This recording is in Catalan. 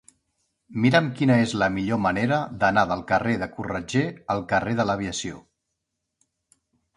Mira'm quina és la millor manera d'anar del carrer de Corretger al carrer de l'Aviació.